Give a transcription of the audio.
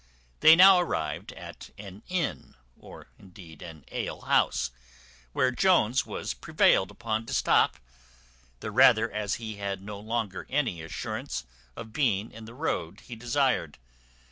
They now arrived at an inn, or indeed an ale house, where Jones was prevailed upon to stop, the rather as he had no longer any assurance of being in the road he desired.